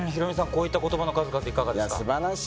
こういった言葉の数々いかがですか？